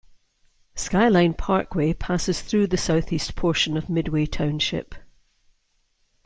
Skyline Parkway passes through the southeast portion of Midway Township.